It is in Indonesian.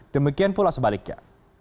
demikian pula sebaliknya